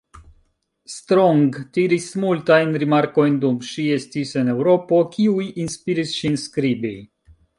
Strong tiris multajn rimarkojn dum ŝi estis en Eŭropo, kiuj inspiris ŝin skribi.